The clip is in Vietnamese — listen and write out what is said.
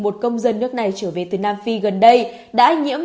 một công dân nước này trở về từ nam phi gần đây đã nhiễm